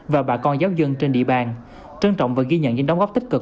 và bà con giáo dân trên địa bàn trân trọng và ghi nhận những đóng góp tích cực